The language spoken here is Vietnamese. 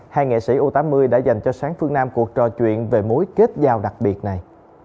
hai nghệ sĩ u tám mươi đã dành cho sáng phương nam cuộc trò chuyện về mối kết giao đặc biệt này